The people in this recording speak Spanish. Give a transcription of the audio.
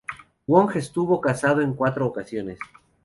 Wong estuvo casado en cuatro ocasiones.